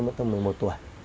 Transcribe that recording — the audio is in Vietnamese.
tôi mất thêm một mươi một tuổi